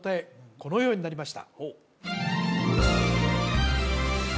このようになりました